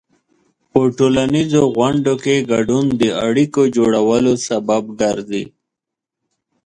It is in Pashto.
په ټولنیزو غونډو کې ګډون د اړیکو جوړولو سبب ګرځي.